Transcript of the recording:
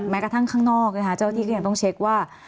แม้กระทั่งข้างนอกเจ้าหน้าที่ก็ยังต้องเช็คว่า